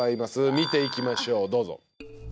見ていきましょうどうぞ。